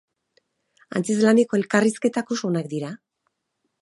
Antzezlaneko elkarrizketak oso onak dira.